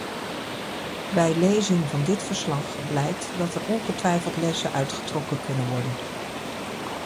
Bij lezing van dit verslag blijkt dat er ongetwijfeld lessen uit getrokken kunnen worden.